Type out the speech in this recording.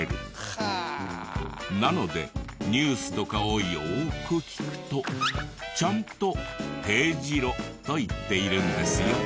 なのでニュースとかをよーく聞くとちゃんと「丁字路」と言っているんですよ。